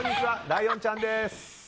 ライオンちゃんです。